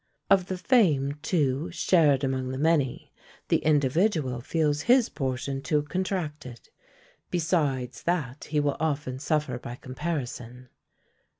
Of the fame, too, shared among the many, the individual feels his portion too contracted, besides that he will often suffer by comparison.